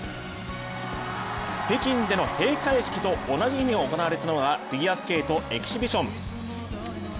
北京での閉会式と同じ日に行われたのがフィギュアスケートエキシビション。